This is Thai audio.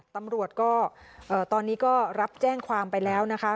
ตำรวจก็ตอนนี้ก็รับแจ้งความไปแล้วนะคะ